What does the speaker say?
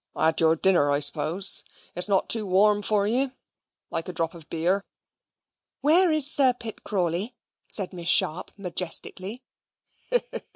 "Had your dinner, I suppose? It is not too warm for you? Like a drop of beer?" "Where is Sir Pitt Crawley?" said Miss Sharp majestically.